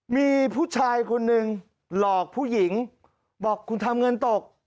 มีผู้ชายคนหนึ่งหลอกผู้หญิงบอกคุณทำเงินตก